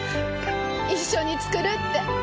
一緒に作るって。